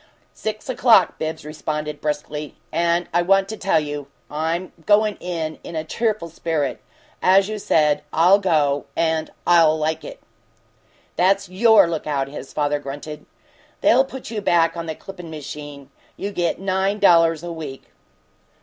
"Six o'clock," Bibbs responded, briskly. "And I want to tell you I'm going in a 'cheerful spirit.' As you said, I'll go and I'll 'like it'!" "That's YOUR lookout!" his father grunted. "They'll put you back on the clippin' machine. You get nine dollars a week."